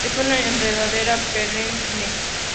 Es una enredadera perenne.